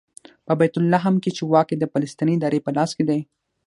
په بیت لحم کې چې واک یې د فلسطیني ادارې په لاس کې دی.